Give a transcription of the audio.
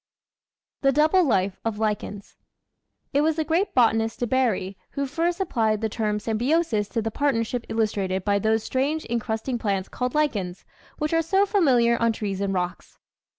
The Double Life of Lichens It was the great botanist De Bary who first applied the term symbiosis to the partnership illustrated by those strange encrust ing plants called lichens which are so familiar on trees and rocks.